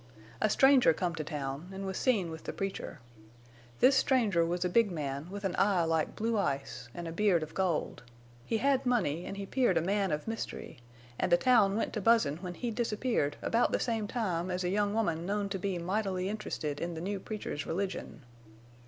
A stranger come to town, an' was seen with the preacher. This stranger was a big man with an eye like blue ice, an' a beard of gold. He had money, an' he 'peared a man of mystery, an' the town went to buzzin' when he disappeared about the same time as a young woman known to be mightily interested in the new preacher's religion.